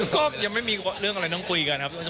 ก็ยังไม่มีเรื่องอะไรต้องคุยกันครับ